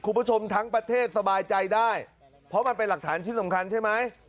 คุณผู้ชมทั้งประเทศสบายใจได้เพราะมันเป็นหลักฐานชิ้นสำคัญใช่ไหม